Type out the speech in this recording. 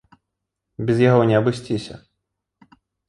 Без яго не абысціся.